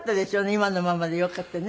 今のままでよかったね。